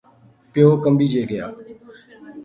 پیو کنبی جے گیا